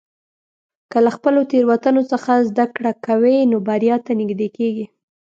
که له خپلو تېروتنو څخه زده کړه کوې، نو بریا ته نږدې کېږې.